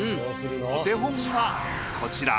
お手本がこちら。